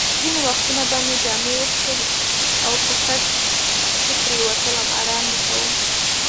ځینې وختونه به مې جامې وکښلې او په کټ کې پرېوتم، ارام مې کاوه.